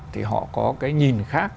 thì họ có cái nhìn khác